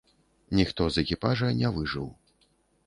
Ніхто з экіпажа не выжыў.